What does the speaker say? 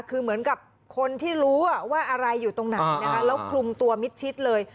คือเหมือนกับคนที่รู้ว่าอะไรอยู่ตรงไหนนะคะแล้วคลุมตัวมิดชิดเลย